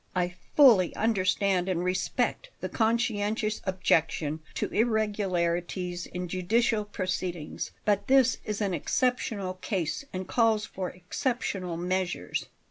I fully understand and respect the conscientious objection to irregularities in judicial proceedings; but this is an exceptional case and calls for exceptional measures."